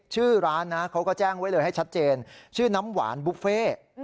ชื่อร้านนะเขาก็แจ้งไว้เลยให้ชัดเจนชื่อน้ำหวานบุฟเฟ่